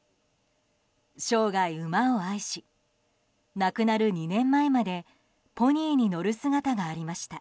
生涯、馬を愛し亡くなる２年前までポニーに乗る姿がありました。